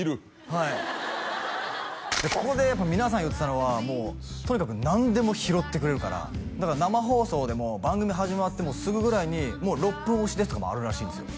はいここでやっぱ皆さん言ってたのはとにかく何でも拾ってくれるからだから生放送でも番組始まってすぐぐらいにもう６分押しですとかもあるらしいんですよ